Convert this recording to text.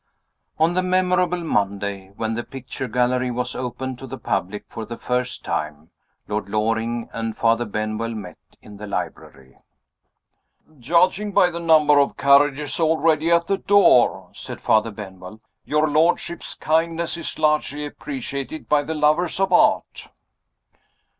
ON the memorable Monday, when the picture gallery was opened to the public for the first time, Lord Loring and Father Benwell met in the library. "Judging by the number of carriages already at the door," said Father Benwell, "your lordship's kindness is largely appreciated by the lovers of Art."